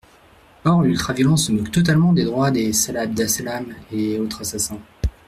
Or l’ultra-violence se moque totalement des droits des Salah Abdeslam et autres assassins.